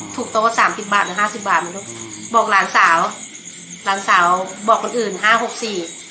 โต๊ะสามสิบบาทหรือห้าสิบบาทไหมลูกบอกหลานสาวหลานสาวบอกคนอื่นห้าหกสี่